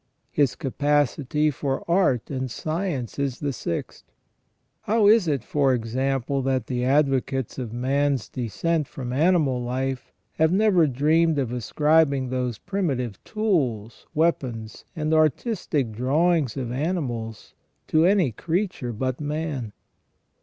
His capacity for art and science is the sixth. How is it, for example, that the advocates of man's descent from animal life have never dreamed of ascribing those primitive tools, weapons, and artistic drawings of animals to any creature but man